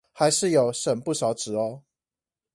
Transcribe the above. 還是有省不少紙喔